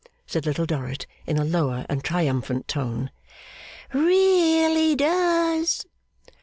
said Little Dorrit, in a lower and triumphant tone. 'Really does!